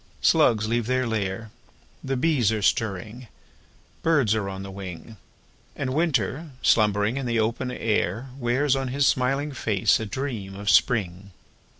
Slugs leave their lair— The bees are stirring—birds are on the wing— And Winter, slumbering in the open air, Wears on his smiling face a dream of Spring!